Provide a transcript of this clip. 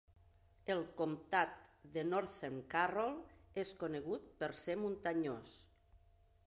El comtat de Northern Carroll és conegut per ser muntanyós.